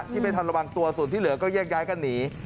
ที่ไม่ทันระวังตัวส่วนที่เหลือก็แยกย้ายกันหนี